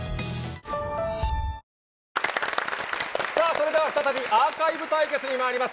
それでは再びアーカイブ対決にまいります。